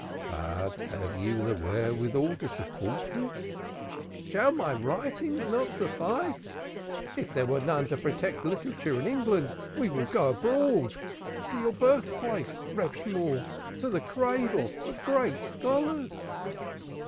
'" "But have you the wherewithal to support her?" "Shall my writings not suffice? If there are none to protect literature in England, we will go abroad to your birthplace, Reb Shemuel, the cradle of great scholars."